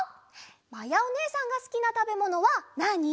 まやおねえさんがすきなたべものはなに？